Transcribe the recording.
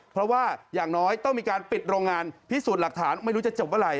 เพราะว่าอย่างน้อยต้องมีการปิดโรงงานพิสูจน์หลักฐานไม่รู้จะจบเมื่อไห